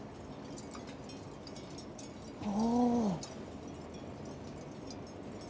お。